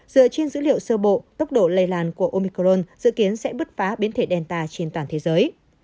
dựa trên dữ liệu sơ bộ tốc độ lây lan của omicron dự kiến sẽ bứt phá biến thể delta trên toàn thế giới